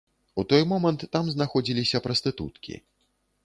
У той момант там знаходзіліся прастытуткі.